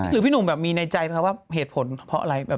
พี่หนุ่มแบบมีในใจไหมคะว่าเหตุผลเพราะอะไร